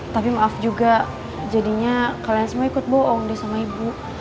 tapi maaf juga jadinya kalian semua ikut bohong nih sama ibu